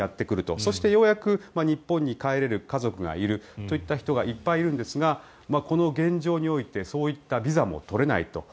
そしてようやく日本に帰れる家族がいるといった人がいっぱいいるんですがこの現状においてそういったビザも取れないと。